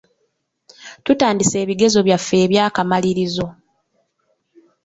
Tutandise ebigezo byaffe eby'akamalirizo.